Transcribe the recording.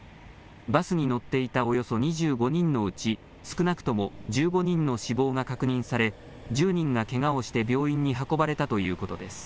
バスに乗っていたおよそ２５人のうち、少なくとも１５人の死亡が確認され１０人がけがをして病院に運ばれたということです。